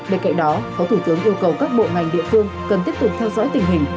bên cạnh đó phó thủ tướng yêu cầu các bộ ngành địa phương cần tiếp tục theo dõi tình hình